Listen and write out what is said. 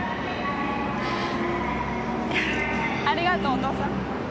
ありがとうお父さん。